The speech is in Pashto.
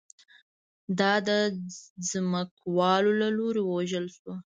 دا د ځمکوالو له لوري ووژل شو